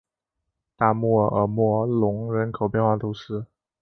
大穆尔默隆人口变化图示